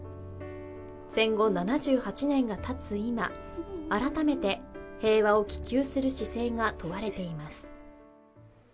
戦後７８年がたつ今、改めて平和を希求する姿勢が問われています。